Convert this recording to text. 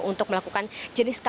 untuk melakukan jenis kampungan